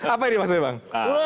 apa ini maksudnya bang